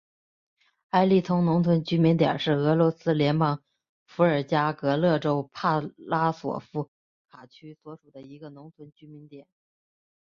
埃利通农村居民点是俄罗斯联邦伏尔加格勒州帕拉索夫卡区所属的一个农村居民点。